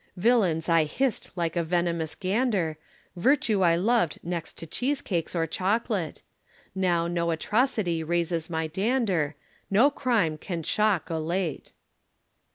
Villains I hissed like a venomous gander, Virtue I loved next to cheesecakes or chocolate; Now no atrocity raises my dander, No crime can shock o' late.